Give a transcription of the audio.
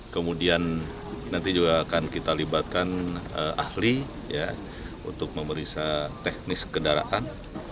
kemudian nanti juga akan kita libatkan ahli untuk memeriksa teknis kendaraan